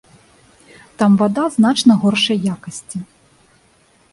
Там вада значна горшай якасці.